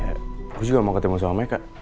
aku juga mau ketemu suamanya kak